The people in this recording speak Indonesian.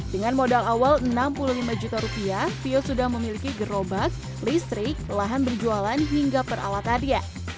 dengan modal awal enam puluh lima juta rupiah fio sudah memiliki gerobak listrik lahan berjualan hingga peralatannya